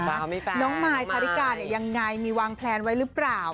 จ้าวไม่ไปน้องไม้คาดิการยังไงมีวางแพลนไว้หรือเปล่า